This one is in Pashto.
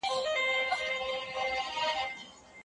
لوستې میندې د ماشومانو د خوړو وخت ته پام ساتي.